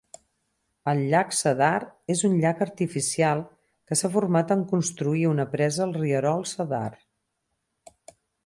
El llac Cedar és un llac artificial que s'ha format en construir una presa al rierol Cedar.